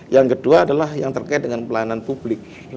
yang kedua adalah yang terkait dengan pelayanan publik